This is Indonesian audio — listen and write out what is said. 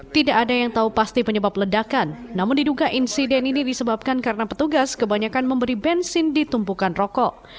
tidak ada yang tahu pasti penyebab ledakan namun diduga insiden ini disebabkan karena petugas kebanyakan memberi bensin di tumpukan rokok